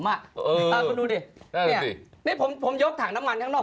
เอ้าคุณดูผมยกแถงน้ำมันข้างนอก